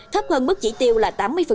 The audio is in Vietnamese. thấp hơn mức chỉ tiêu là tám mươi